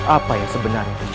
apa yang sebenarnya terjadi